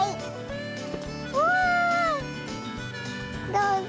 どうぞ。